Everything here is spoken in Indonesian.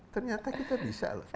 ternyata kita bisa